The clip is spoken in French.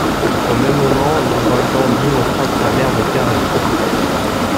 Au même moment l'ouragan Dean frappe la mer des Caraïbes.